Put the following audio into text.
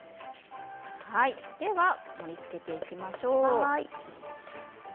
では、盛りつけていきましょう。